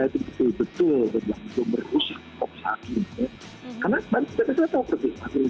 yang sudah baik yang sudah tobat yang sudah berbuat baik sangat sangat baik